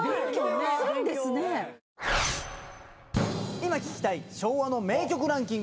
今聴きたい昭和の名曲ランキング